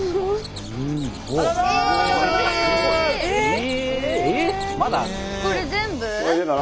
え！